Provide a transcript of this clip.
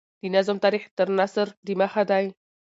د نظم تاریخ تر نثر دمخه دﺉ.